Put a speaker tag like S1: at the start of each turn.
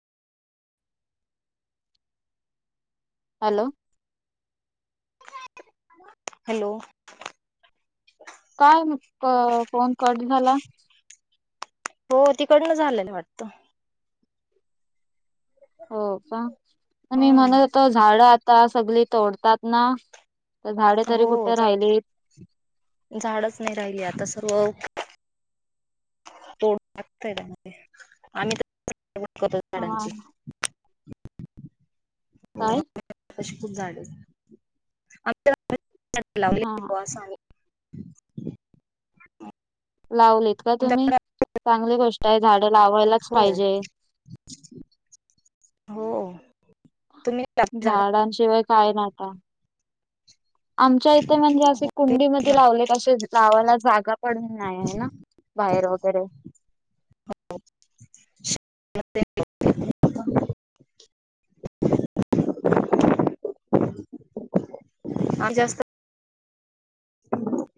S1: hello
S2: hello
S1: काय phone cut झाला
S2: हो तिकडन झालेला वाटत
S1: हो का मी
S2: हम्म
S1: म्हणत होतो झाड आता सगळी तोडतात ना तर झाडे
S2: हो
S1: तरी कुठे
S2: झा
S1: राहिलीत
S2: झाडच नाही राहिली आता सर्व तोड लागतय त्यामध्ये आम्ही करतो
S1: हा
S2: झाडांची हो
S1: काय
S2: अशी खूप झाडे स
S1: हा लावलीत का तुम्ही
S2: तुमच्याकडे
S1: चांगली गोष्ट आहे झाडं लावायलाच
S2: हो
S1: पाहिजे
S2: हो तुम्ही लावले झाड
S1: झाडांशिवाय काय नाता आमच्या इथे म्हणजे असे
S2: आम्ही
S1: कुंडीमध्येध्ये लावले के लावायला जागा पडून नाही आहे ना बाहेर वगैरे
S2: जास्ती ह